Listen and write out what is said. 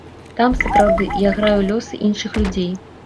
Там, сапраўды, я граю лёсы іншых людзей.